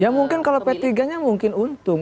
ya mungkin kalau p tiga nya mungkin untung